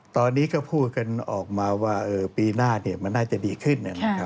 ตอนนี้ก็พูดกันออกมาว่าปีหน้ามันน่าจะดีขึ้น